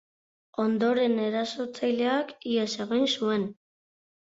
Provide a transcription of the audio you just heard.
Ondoren erasotzaileak ihes egin zuen.